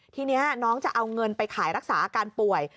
ทีนี้น้องจะเอาเงินไปขายรักษาอาการป่วย